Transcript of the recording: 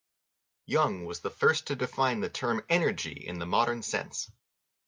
Young was the first to define the term "energy" in the modern sense.